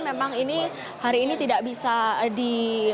memang ini hari ini tidak bisa di